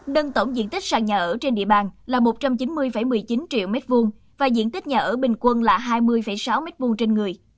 đơn tổng diện tích sàn nhà ở trên địa bàn là một trăm chín mươi một mươi chín triệu m hai và diện tích nhà ở bình quân là hai mươi sáu m hai trên người